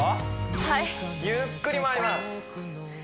はいゆっくり回ります